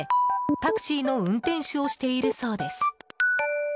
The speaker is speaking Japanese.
タクシーの運転手をしているそうです。